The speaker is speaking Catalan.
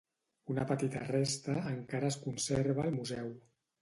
Una petita resta, encara es conserva al museu.